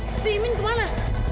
tapi imin kemana